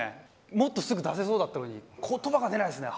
もっとすぐ出せそうだったのに言葉が出ないっすね。